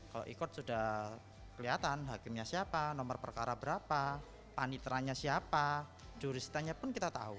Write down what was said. kalau e court sudah kelihatan hakimnya siapa nomor perkara berapa panitra nya siapa juristanya pun kita tahu